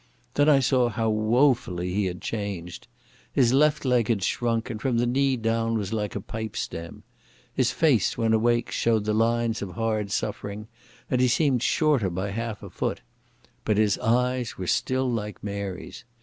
Then I saw how woefully he had changed. His left leg had shrunk, and from the knee down was like a pipe stem. His face, when awake, showed the lines of hard suffering and he seemed shorter by half a foot. But his eyes were still like Mary's.